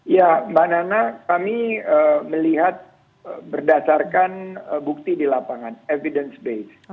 ya mbak nana kami melihat berdasarkan bukti di lapangan evidence base